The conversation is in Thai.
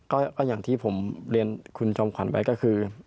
ก็อย่างที่ผมเรียนคุณจอมขวัญไว้ก็คือ